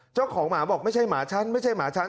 เจ้าของหมาบอกไม่ใช่หมาฉันไม่ใช่หมาฉัน